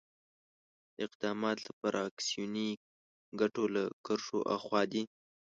دا اقدامات له فراکسیوني ګټو له کرښو آخوا دي.